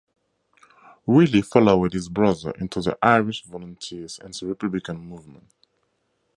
Willie followed his brother into the Irish Volunteers and the Republican movement.